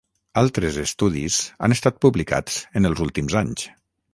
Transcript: Altres estudis han estat publicats en els últims anys.